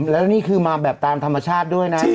แล้วนี่คือมาแบบตามธรรมชาติด้วยนะ